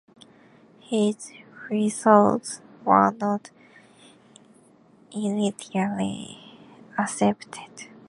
His results were not initially accepted.